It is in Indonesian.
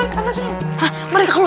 mari mereka keluar